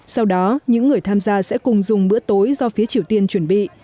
sau đó những người tham gia sẽ cùng dùng bữa tối do phía triều tiên chuẩn bị